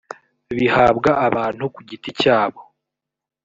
bihabwa abantu ku giti cyabo